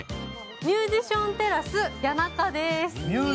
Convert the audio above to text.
ミュージションテラス谷中です。